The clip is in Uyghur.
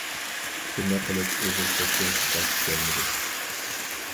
شۇنداق قىلىپ ئۇ بىر كەتكەنچە قايتىپ كەلمىدى.